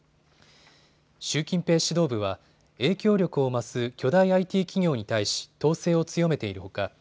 習近平指導部は影響力を増す巨大ＩＴ企業に対し統制を強めているほか